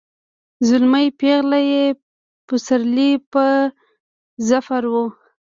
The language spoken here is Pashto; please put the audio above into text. زلمی پېغله یې پسوللي په ظفر وه